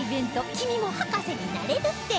「君も博士になれる展」